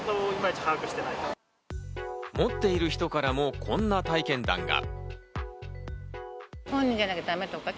持っている人からもこんな体験談が。